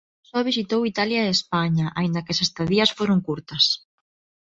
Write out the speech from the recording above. Só visitou Italia e España, aínda que as estadías foron curtas.